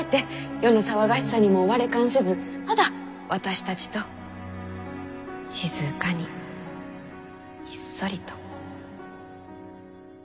世の騒がしさにも我関せずただ私たちと静かにひっそりと。